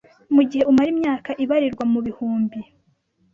Mu gihe umara imyaka ibarirwa mu bihumbi